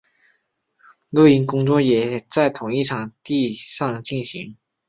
录音工作也在同一场地上进行。